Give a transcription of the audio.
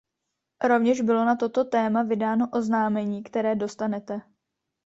Rovněž bylo na toto téma vydáno oznámení, které dostanete.